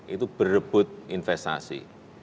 itu berebut investasi